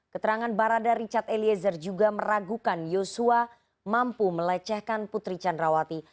keterangan barada richard eliezer juga meragukan yosua mampu melecehkan putri candrawati